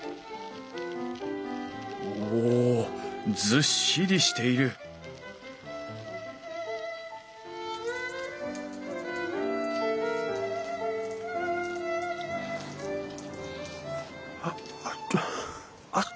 ずっしりしているあ熱っ。